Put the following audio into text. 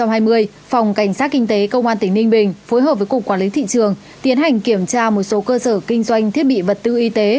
phòng cảnh sát kinh tế công an tỉnh ninh bình phối hợp với cục quản lý thị trường tiến hành kiểm tra một số cơ sở kinh doanh thiết bị vật tư y tế